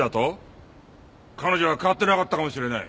彼女は変わってなかったかもしれない。